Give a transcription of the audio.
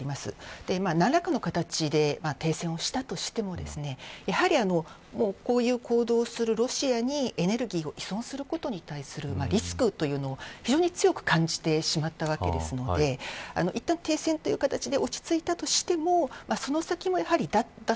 何らかの形で停戦したとしてもこのような行動をするロシアにエネルギーを依存することに対するリスクを強く感じていると思うのでいったん停戦として落ち着いたとしてもその先も、脱